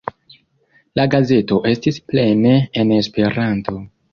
La gazeto estis plene en Esperanto.